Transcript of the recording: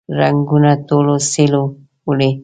رنګونه ټوله سیلیو وړي